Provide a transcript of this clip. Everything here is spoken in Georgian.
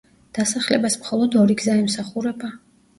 დასახლებას მხოლოდ ორი გზა ემსახურება.